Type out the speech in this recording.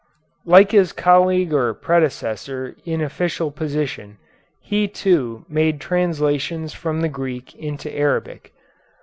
Like his colleague or predecessor in official position, he, too, made translations from the Greek into Arabic.